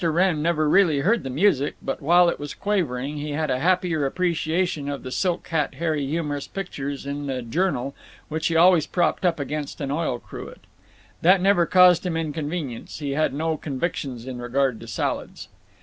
Wrenn never really heard the music, but while it was quavering he had a happier appreciation of the Silk Hat Harry humorous pictures in the Journal, which he always propped up against an oil cruet. [That never caused him inconvenience; he had no convictions in regard to salads.